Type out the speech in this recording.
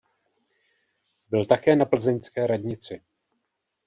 Byl také na plzeňské radnici.